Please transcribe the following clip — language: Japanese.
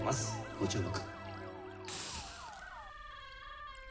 ご注目。